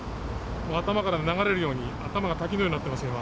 頭から流れるように、頭が滝のようになっていますよ、今。